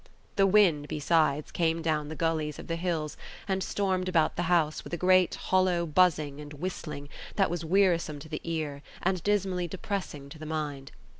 The wind, besides, came down the gullies of the hills and stormed about the house with a great, hollow buzzing and whistling that was wearisome to the ear and dismally depressing to the mind.